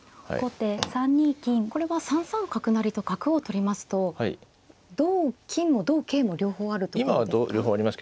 これは３三角成と角を取りますと同金も同桂も両方あるということですか。